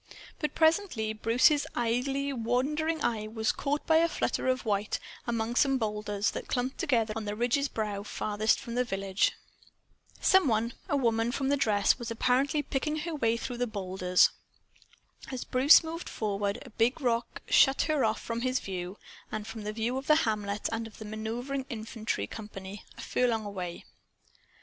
But presently Bruce's idly wandering eye was caught by a flutter of white among some boulders that clumped together on the ridge's brow farthest from the village. Some one a woman, from the dress was apparently picking her way through the boulders. As Bruce moved forward, a big rock shut her off from his view and from the view of the hamlet and of the maneuvering infantry company a furlong away.